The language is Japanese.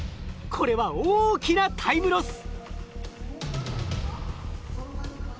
これは大きなタイムロス。